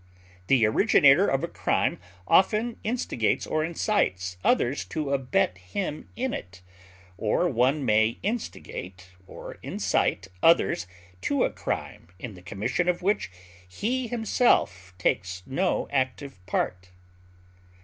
The originator of a crime often instigates or incites others to abet him in it, or one may instigate or incite others to a crime in the commission of which he himself takes no active part.